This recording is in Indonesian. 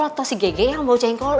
atau si gege yang bau jengkol